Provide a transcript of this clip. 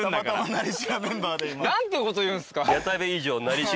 何てこと言うんですか。